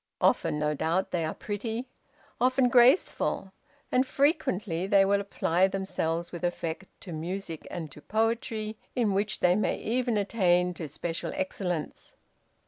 Often, no doubt, they are pretty, often graceful; and frequently they will apply themselves with effect to music and to poetry, in which they may even attain to special excellence.